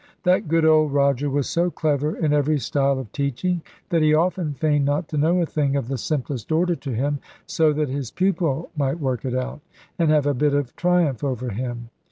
That good old Roger was so clever in every style of teaching, that he often feigned not to know a thing of the simplest order to him; so that his pupil might work it out, and have a bit of triumph over him.